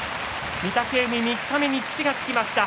御嶽海、三日目に土がつきました。